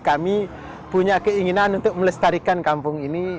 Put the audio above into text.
kami punya keinginan untuk melestarikan kampung ini